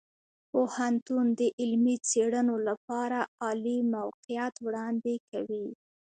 پوهنتون د علمي څیړنو لپاره عالي موقعیت وړاندې کوي.